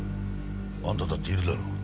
あんただっているだろ？